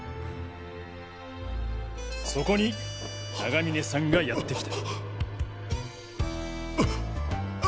そこに永峰さんがやってきた。